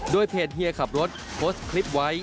โดยเพจเฮียขับรถโพสต์คลิปไว้